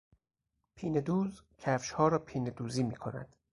پینهدوز کفشها را پینهدوزی میکند.